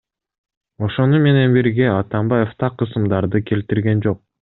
Ошону менен бирге Атамбаев так ысымдарды келтирген жок.